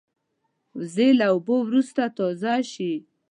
وزې له اوبو وروسته تازه شي